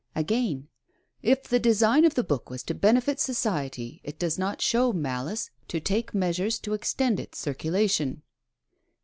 Again, " If the design of the book was to benefit society, it does not show malice to take iueasures to extend its cir culation."